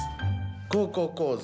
「高校講座」